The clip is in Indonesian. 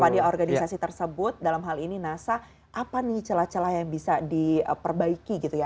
pada organisasi tersebut dalam hal ini nasa apa nih celah celah yang bisa diperbaiki gitu ya